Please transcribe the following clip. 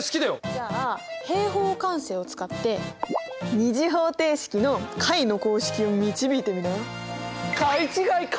じゃあ平方完成を使って２次方程式の解の公式を導いてみな。